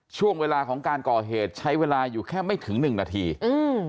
ช่วงเวลาของการก่อเหตุใช้เวลาอยู่แค่ไม่ถึงหนึ่งนาทีอืม